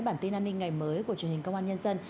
bản tin an ninh ngày mới của truyền hình công an nhân dân